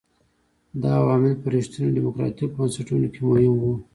دا عوامل په رښتینو ډیموکراټیکو بنسټونو کې مهم وو.